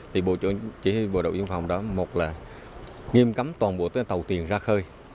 thì bộ chỉ huy bộ đậu biên phòng đó một là nghiêm cấm toàn bộ tàu thuyền ra khơi